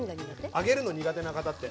揚げるの苦手な方って。